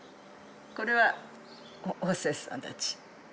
これはホステスさんたち。